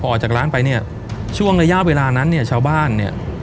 ออกจากร้านไปเนี่ยช่วงระยะเวลานั้นเนี่ยชาวบ้านเนี่ย